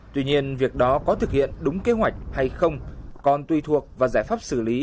tuy nhiên việc đó có thực hiện đúng kế hoạch hay không còn tùy thuộc vào giải pháp xử lý